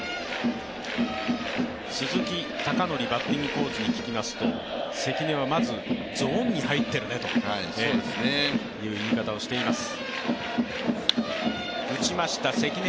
鈴木尚典バッティングコーチに聞きますと関根はまず、ゾーンに入っているねという言い方をしています。